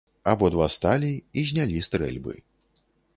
Абодва сталі і знялі стрэльбы.